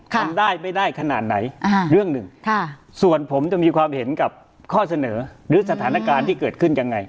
มันได้ไม่ได้ขนาดไหนเรื่องหนึ่งส่วนผมจะมีความเห็นกับข้อเสนอหรือสถานการณ์ที่เกิดขึ้นยังไง